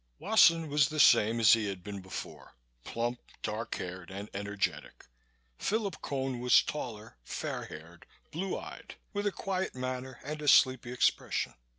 Wasson was the same as he had been before plump, dark haired and energetic. Philip Cone was taller, fair haired, blue eyed, with a quiet manner and a sleepy expression.